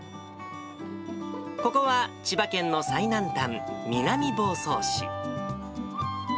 ここは千葉県の最南端、南房総市。